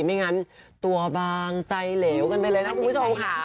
ไม่งั้นตัวบางใจเหลวกันไปเลยนะคุณผู้ชมค่ะ